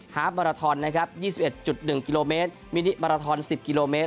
ฮาร์ฟมาราทอน๒๑๑กิโลเมตรมินิมาราทอน๑๐กิโลเมตร